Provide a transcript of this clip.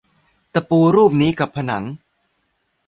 ตะปูรูปนี้กับผนัง